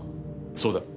そうだ。